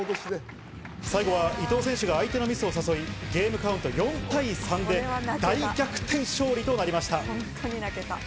最後は伊藤選手が相手のミスを誘い、ゲームカウント４対３で大逆転勝利となりました。